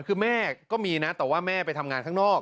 คือแม่ก็มีนะแต่ว่าแม่ไปทำงานข้างนอก